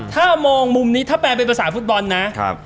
ถ้ามองมุมนี้ถ้าแปลเป็นภาษาฟุตบอลนะ